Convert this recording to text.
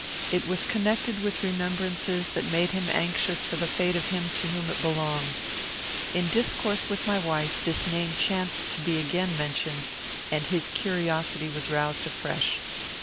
It was connected with remembrances that made him anxious for the fate of him to whom it belonged. In discourse with my wife, this name chanced to be again mentioned, and his curiosity was roused afresh.